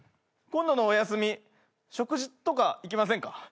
今度のお休み食事とか行きませんか？